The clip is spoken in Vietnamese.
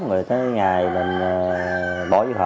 rồi tới cái ngày mình bỏ dưa hấu